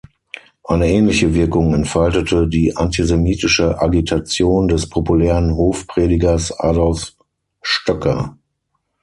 Eine ähnliche Wirkung entfaltete die antisemitische Agitation des populären Hofpredigers Adolf Stoecker.